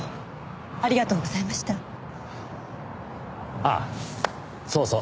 ああそうそう。